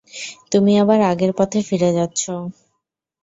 তুমি আবার আগের পথে ফিরে যাচ্ছো।